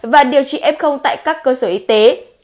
và điều trị f tại các cơ sở y tế